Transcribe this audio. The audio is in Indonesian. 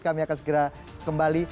kami akan segera kembali